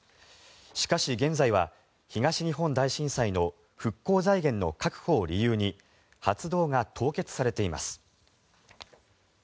しかし現在は東日本大震災の復興財源の確保を理由に発動が凍結されています。